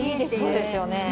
そうですよね。